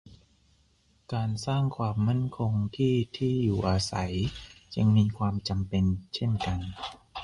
การสร้างความมั่นคงที่ที่อยู่อาศัยจึงมีความจำเป็นเช่นกัน